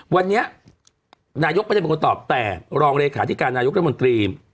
วันนี้นายกก็ยังไม่ตอบแต่รองเลขาธิการนายกและมนตรี